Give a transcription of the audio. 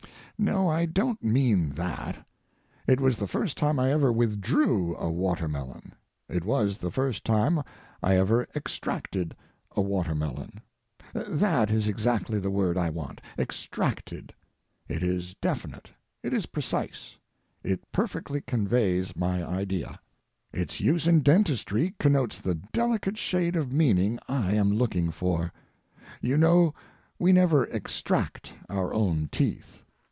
No, I don't mean that. It was the first time I ever withdrew a watermelon. It was the first time I ever extracted a watermelon. That is exactly the word I want—"extracted." It is definite. It is precise. It perfectly conveys my idea. Its use in dentistry connotes the delicate shade of meaning I am looking for. You know we never extract our own teeth.